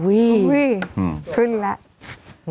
อุ้ยอุ้ยพึ่งแล้ว